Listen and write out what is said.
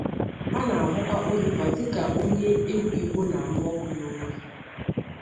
A na-ahụkwa Oliver dịka onye egwu Igbo na-anụ ọkụ n’obi.